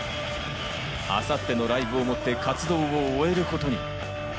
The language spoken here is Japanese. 明後日のライブをもって活動を終えることに。